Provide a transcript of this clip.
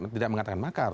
tidak mengatakan makar